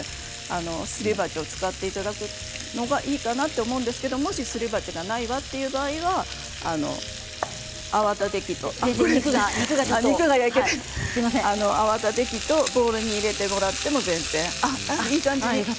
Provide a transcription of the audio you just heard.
すり鉢を使っていただくのがいいかなと思うんですがもし、すり鉢がない場合は泡立て器とボウルに入れてもらっても大丈夫です。